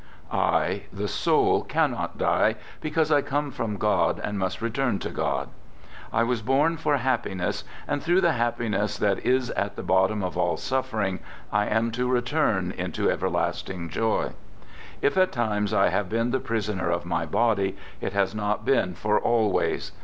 I, the soul, can not die, because I come from God and must return to God. I was born for happiness, and through the happiness that is at the bottom of all suffering, I am to return into everlasting joy. If at times I have been the prisoner of my body, it has not been for always.